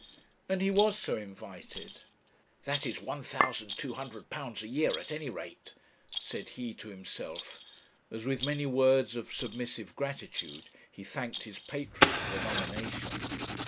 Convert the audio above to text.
And he was so invited. 'That is £1,200 a year, at any rate,' said he to himself, as with many words of submissive gratitude he thanked his patron for the nomination.